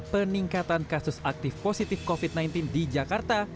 peningkatan kasus aktif positif covid sembilan belas di jakarta